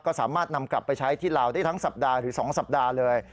ก็สามารถนำกลับไปใช้ที่ลาวได้ทั้งสัปดาห์ถึง๒สัปดาห์เลย